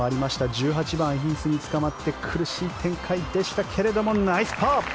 １８番、ヒースにつかまって苦しい展開でしたがナイスパー。